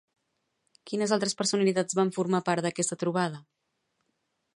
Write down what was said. Quines altres personalitats van formar part d'aquesta trobada?